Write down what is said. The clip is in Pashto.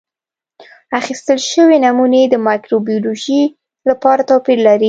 اخیستل شوې نمونې د مایکروبیولوژي لپاره توپیر لري.